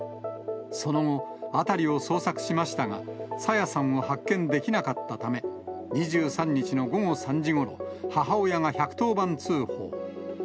その後、辺りを捜索しましたが、朝芽さんを発見できなかったため、２３日の午後３時ごろ、母親が１１０番通報。